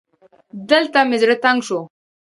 دلته مې زړه تنګ شو